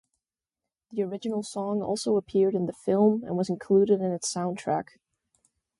The original song also appeared in the film and was included in its soundtrack.